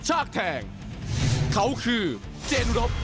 สวัสดีครับ